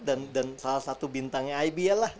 dan salah satu bintangnya ibl lah